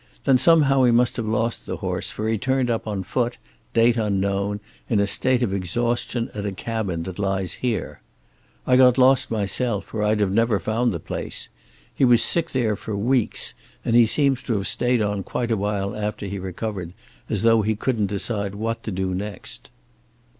Then somehow he must have lost the horse, for he turned up on foot, date unknown, in a state of exhaustion at a cabin that lies here. I got lost myself, or I'd never have found the place. He was sick there for weeks, and he seems to have stayed on quite a while after he recovered, as though he couldn't decide what to do next."